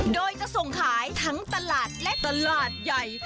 โดยจะส่งขายทั้งตลาดและตลาดใหญ่